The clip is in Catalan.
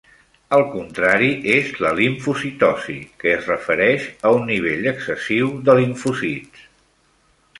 El contrari és la limfocitosi, que es refereix a un nivell excessiu de limfòcits.